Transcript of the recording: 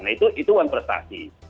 nah itu one prestasi